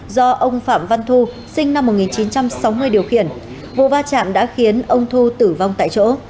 do ông phạm văn thu sinh năm một nghìn chín trăm sáu mươi điều khiển vụ va chạm đã khiến ông thu tử vong tại chỗ